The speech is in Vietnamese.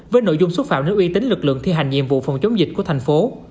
với nội dung xúc phạm đến uy tín lực lượng thi hành nhiệm vụ phòng chống dịch của thành phố